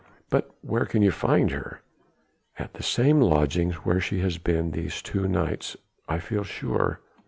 "But where can you find her?" "At the same lodgings where she has been these two nights, I feel sure."